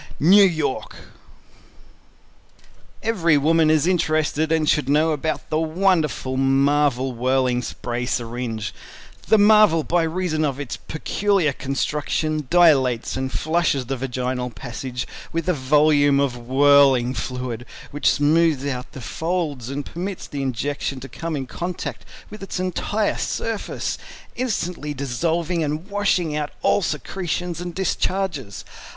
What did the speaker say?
NEW YORK [Illustration: Image of hand holding syring with.] EVERY WOMAN is interested and should know about the wonderful Marvel Whirling Spray Syringe The Marvel by reason of its peculiar construction, dilates and flushes the vaginal passage with a volume of whirling fluid, which smooths out the folds and permits the injection to come in contact with its entire surface, instantly dissolving and washing out all secretions and discharges.